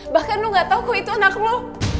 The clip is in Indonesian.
bahkan lu gak tau kok itu anak lo